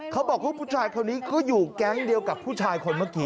เขาบอกว่าผู้ชายคนนี้ก็อยู่แก๊งเดียวกับผู้ชายคนเมื่อกี้